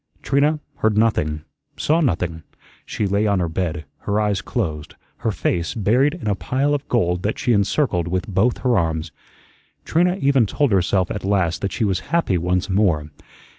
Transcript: Trina heard nothing, saw nothing. She lay on her bed, her eyes closed, her face buried in a pile of gold that she encircled with both her arms. Trina even told herself at last that she was happy once more.